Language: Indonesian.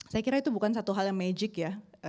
saya kira itu bukan satu hal yang magic ya